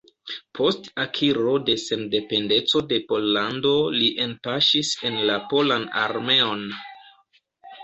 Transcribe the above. Post akiro de sendependeco de Pollando li enpaŝis en la polan armeon.